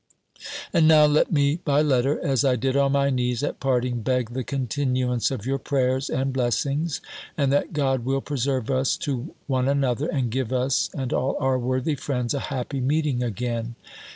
And now let me, by letter, as I did on my knees at parting, beg the continuance of your prayers and blessings, and that God will preserve us to one another, and give us, and all our worthy friends, a happy meeting again.